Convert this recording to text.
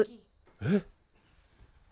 えっ！